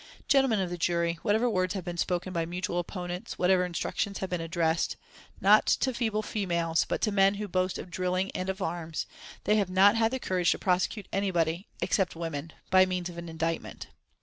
Gentlemen of the jury, whatever words have been spoken by mutual opponents, whatever instructions have been addressed, not to feeble females, but to men who boast of drilling and of arms, they have not had the courage to prosecute anybody, except women, by means of an indictment.